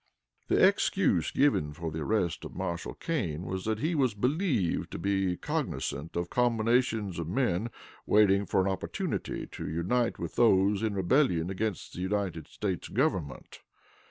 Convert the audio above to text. The excuse given for the arrest of Marshal Kane was that he was believed to be cognizant of combinations of men waiting for an opportunity to unite with those in rebellion against the United States Government.